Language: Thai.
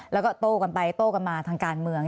แล้วก็โต้กันไปโต้กันมาทางการเมือง